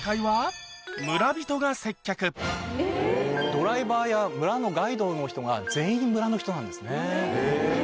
ドライバーや村のガイドの人が全員村の人なんですね。